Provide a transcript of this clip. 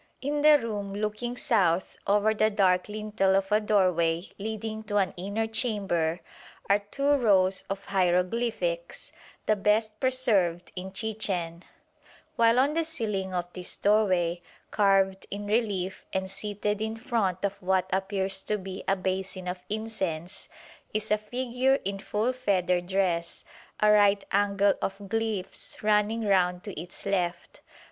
In the room looking south, over the dark lintel of a doorway leading to an inner chamber, are two rows of hieroglyphics, the best preserved in Chichen, while on the ceiling of this doorway, carved in relief and seated in front of what appears to be a basin of incense, is a figure in full feathered dress, a right angle of glyphs running round to its left.